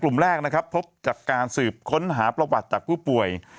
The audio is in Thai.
กลุ่มแรกนะครับพบจากการสืบค้นหาประวัติจากผู้ป่วย